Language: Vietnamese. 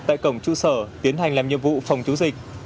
tại cổng trụ sở tiến hành làm nhiệm vụ phòng chống dịch